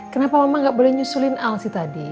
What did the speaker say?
kenapa mama gak boleh nyesulin al sih tadi